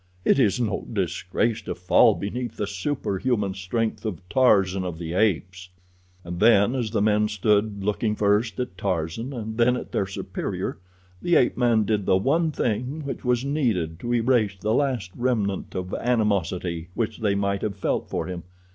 It is no disgrace to fall beneath the superhuman strength of Tarzan of the Apes." And then, as the men stood looking first at Tarzan and then at their superior the ape man did the one thing which was needed to erase the last remnant of animosity which they might have felt for him.